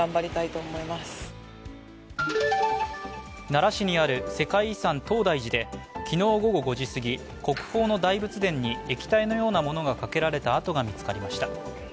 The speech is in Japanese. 奈良市にある世界遺産東大寺で昨日午後５時過ぎ、国宝の大仏殿に液体のようなものがかけられた跡が見つかりました。